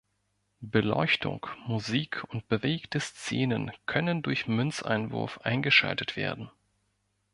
Beleuchtung, Musik und bewegte Szenen können durch Münzeinwurf eingeschaltet werden.